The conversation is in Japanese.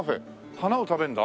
花を食べるんだ？